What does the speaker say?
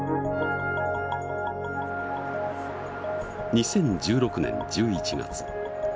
２０１６年１１月。